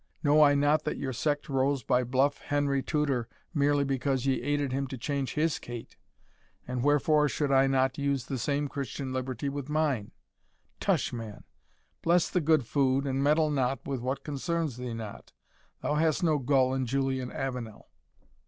Know I not that your sect rose by bluff Harry Tudor, merely because ye aided him to change his Kate; and wherefore should I not use the same Christian liberty with mine? Tush, man! bless the good food, and meddle not with what concerns thee not thou hast no gull in Julian Avenel."